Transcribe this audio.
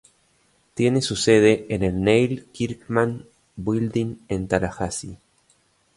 Tiene su sede en el Neil Kirkman Building en Tallahassee.